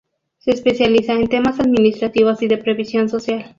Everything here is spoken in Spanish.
Se especializa en temas administrativos y de previsión social.